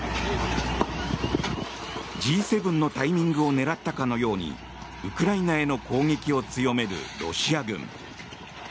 Ｇ７のタイミングを狙ったかのようにウクライナへの攻撃を強めるロシア軍。